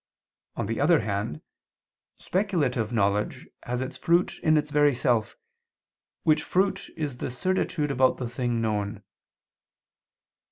On the other hand, speculative knowledge has its fruit in its very self, which fruit is the certitude about the thing known.